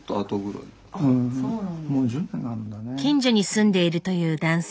近所に住んでいるという男性。